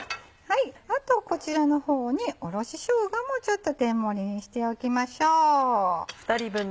あとこちらの方におろししょうがもちょっと天盛りにしておきましょう。